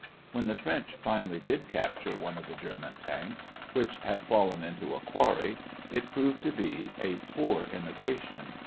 When the French finally did capture one of the German tanks, which had fallen into a quarry, it proved to be a poor imitation.